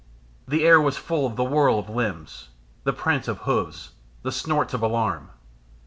The air was full of the whirl of limbs, the prance of hoofs, and snorts of alarm.